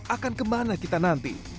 akan kemana kita nanti